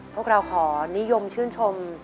พวกเราขอนิยมชื่นชม